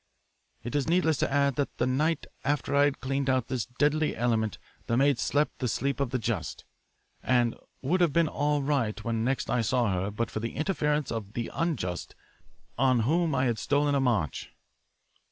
"It is needless to add that the night after I had cleaned out this deadly element the maid slept the sleep of the just and would have been all right when next I saw her but for the interference of the unjust on whom I had stolen a march."